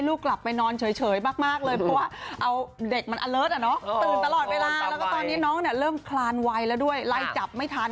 แล้วก็ตอนนี้น้องเริ่มคลานไวแล้วด้วยไล่จับไม่ทัน